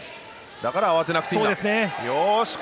だから慌てなくていいんだ。